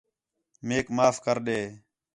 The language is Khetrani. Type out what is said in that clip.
میک معاف کر ݙے